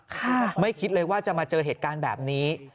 ไม่คิดเลยว่าจะมาเจอเหตุการณ์แบบนี้